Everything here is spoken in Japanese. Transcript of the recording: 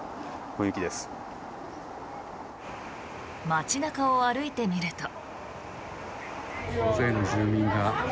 街中を歩いてみると。